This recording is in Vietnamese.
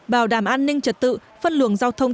bảo đảm an ninh trật tự phân luồng giao thông